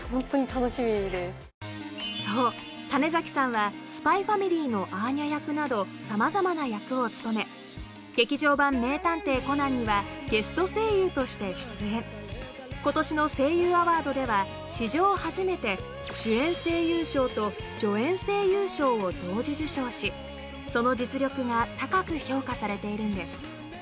そう種さんは『ＳＰＹ×ＦＡＭＩＬＹ』のアーニャ役などさまざまな役を務め劇場版『名探偵コナン』にはゲスト声優として出演今年の声優アワードでは史上初めて主演声優賞と助演声優賞を同時受賞しその実力が高く評価されているんです